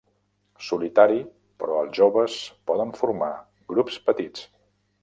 Solitari, però els joves poden formar grups petits.